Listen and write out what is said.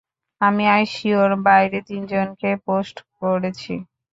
আমি আইসিইউর বাইরে তিনজনকে পোস্ট করেছি।